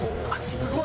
すごい！